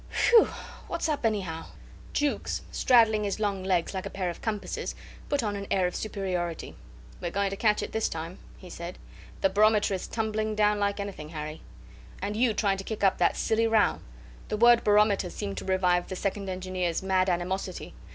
Phew! What's up, anyhow?" Jukes, straddling his long legs like a pair of compasses, put on an air of superiority. "We're going to catch it this time," he said. "The barometer is tumbling down like anything, Harry. And you trying to kick up that silly row. ..." The word "barometer" seemed to revive the second engineer's mad animosity.